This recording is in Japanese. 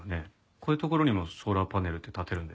こういう所にもソーラーパネルって立てるんですか？